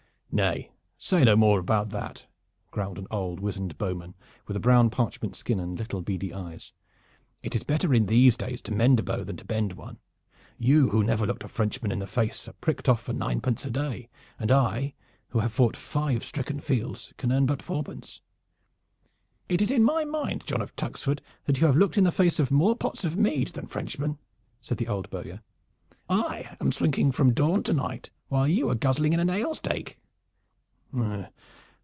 "Nay, say no more about that," growled an old wizened bowman, with a brown parchment skin and little beady eyes. "It is better in these days to mend a bow than to bend one. You who never looked a Frenchman in the face are pricked off for ninepence a day, and I, who have fought five stricken fields, can earn but fourpence." "It is in my mind, John of Tuxford, that you have looked in the face more pots of mead than Frenchmen," said the old bowyer. "I am swinking from dawn to night, while you are guzzling in an alestake.